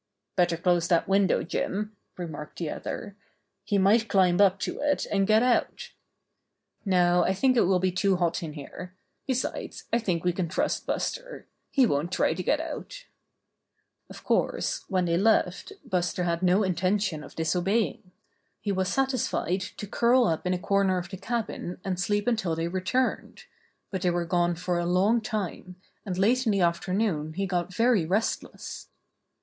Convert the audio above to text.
''Better close that window, Jim," remarked the other. "He might climb up to it and get out." "No, it will be too hot in here. Besides, I think we can trust Buster. He won't try to get out" Of course, when they left Buster had no intention of disobeying. He was satisfied to curl up in a corner of the cabin and sleep until they returned ; but they were gone for a long time, and late in the afternoon he got very restless.